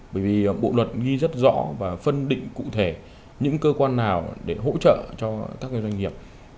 bởi vì bộ luật ghi rất rõ và phân định cụ thể những cơ quan nào để hỗ trợ cho các doanh nghiệp